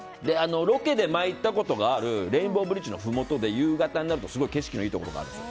ロケで前行ったことのあるレインボーブリッジのふもとで夕方になると、すごい景色がいいところがあるんです。